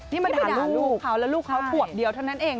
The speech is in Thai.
นี่ไม่ได้ด่าลูกเขาแล้วลูกเขาขวบเดียวเท่านั้นเอง